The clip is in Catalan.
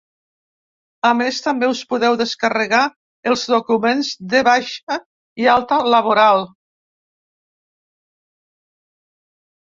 A més, també us podeu descarregar els documents de baixa i alta laboral.